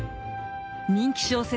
人気小説